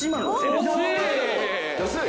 安い！